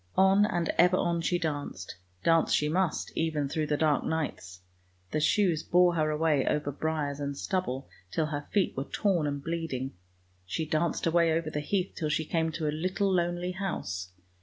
On and ever on she danced; dance she must even through the dark nights. The shoes bore her away over briars and stubble till her feet were torn and bleeding; she danced away over the heath till she came to a little lonely house.